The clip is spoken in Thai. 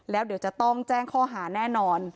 แล้วเดี๋ยวจะต้องแจ้งข้อหาแน่นอน